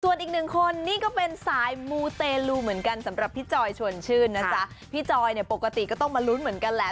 ส่วนอีกหนึ่งคนนี่ก็เป็นสายมูเตลูเหมือนกันสำหรับพี่จอยชวนชื่นนะจ๊ะพี่จอยเนี่ยปกติก็ต้องมาลุ้นเหมือนกันแหละ